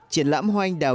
triển lãm hoa anh đào